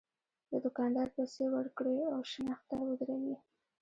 د دوکاندار پیسې ورکړي او شنخته ودروي.